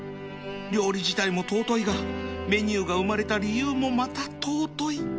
料理自体も尊いがメニューが生まれた理由もまた尊い